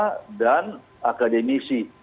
pemerintah dan akademisi